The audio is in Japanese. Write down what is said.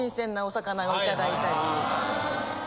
を頂いたり。